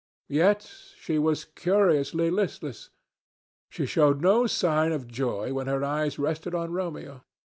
Yet she was curiously listless. She showed no sign of joy when her eyes rested on Romeo.